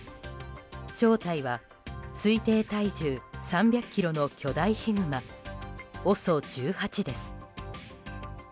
正体は推定体重３００ｋｇの巨大ヒグマＯＳＯ１８です。